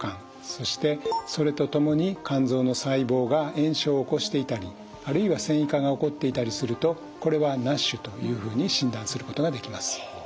そしてそれとともに肝臓の細胞が炎症を起こしていたりあるいは繊維化が起こっていたりするとこれはＮＡＳＨというふうに診断することができます。